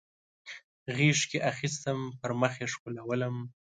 غیږ کې اخیستم پر مخ یې ښکلولم